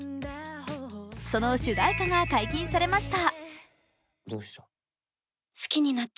その主題歌が解禁されました。